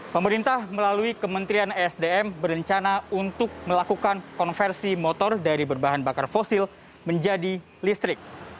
pemerintah melalui kementerian esdm berencana untuk melakukan konversi motor dari berbahan bakar fosil menjadi listrik